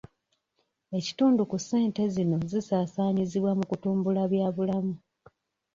Ekitundu ku ssente zino zisaasaanyizibwa mu kutumbula byabulamu.